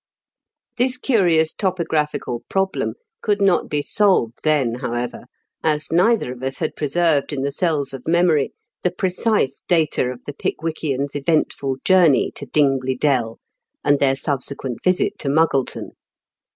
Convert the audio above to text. This curious topographical problem could not be solved then, however, as neither of us had preserved in the cells of memory the precise data of the Pickwickians' eventful journey to Dingley Dell, and their subsequent visit to Muggleton.